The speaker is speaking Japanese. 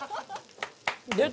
出た。